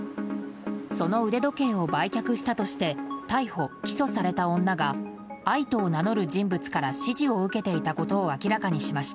その腕時計を売却したとして逮捕・起訴された女があいとを名乗る人物から指示を受けていたことを明らかにしました。